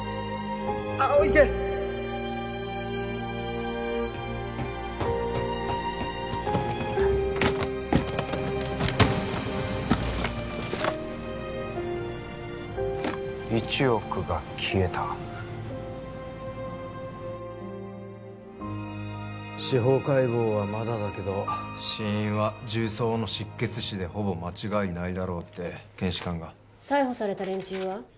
青池１億が消えた司法解剖はまだだけど死因は銃創の失血死でほぼ間違いないだろうって検視官が逮捕された連中は？